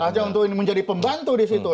aja untuk menjadi pembantu di situ